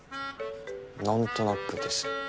なんとなくです